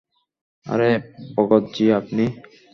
আরে ভগত জি আপনি?